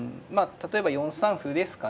例えば４三歩ですかね。